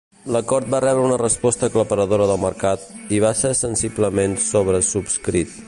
L'acord va rebre una resposta aclaparadora del mercat, i va ser sensiblement sobresubscrit.